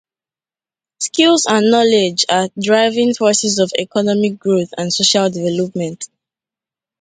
Skills and knowledge are the driving forces of economic growth and social development.